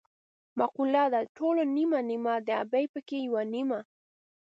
مقوله ده: د ټولو نیمه نیمه د ابۍ پکې یوه نیمه.